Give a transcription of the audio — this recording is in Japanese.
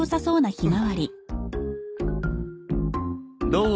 どう？